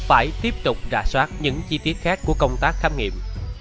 phải tiếp tục rà soát những chi tiết khác của công tác khám nghiệm